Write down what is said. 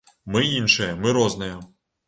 Мы іншыя, мы розныя.